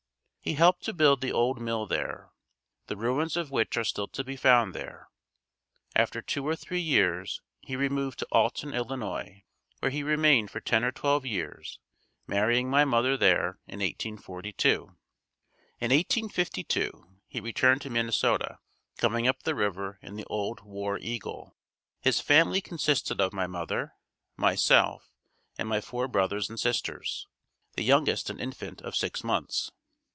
He helped to build the old mill there, the ruins of which are still to be found there. After two or three years he removed to Alton, Ill., where he remained for ten or twelve years marrying my mother there in 1842. In 1852 he returned to Minnesota, coming up the river in the old "War Eagle." His family consisted of my mother, myself and my four brothers and sisters, the youngest an infant of six months.